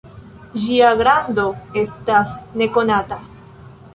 Ĝia grando estas nekonata.